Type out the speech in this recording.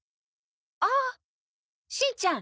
あっしんちゃん